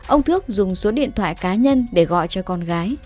ông thước dùng số điện thoại cá nhân để gọi cho con gái